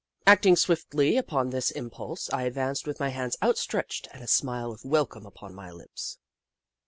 Acting swiftly upon this impulse, I advanced with hands outstretched and a smile of welcome upon my lips.